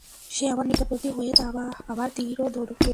সে আমার নিকটবর্তী হয়ে আমার তীর ও ধনুক নিয়ে নিল।